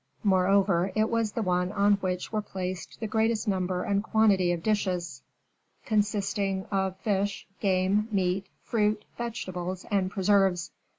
Moreover, it was the one on which were placed the greatest number and quantity of dishes, consisting of fish, game, meat, fruit, vegetables, and preserves.